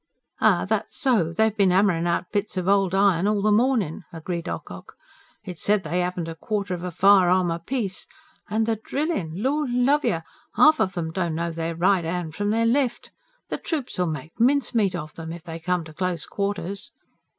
"Ay, that's so, they've bin 'ammerin' out bits of old iron all the mornin'," agreed Ocock. "It's said they 'aven't a quarter of a firearm apiece. And the drillin'! Lord love yer! 'Alf of 'em don't know their right 'and from their left. The troops 'ull make mincemeat of 'em, if they come to close quarters."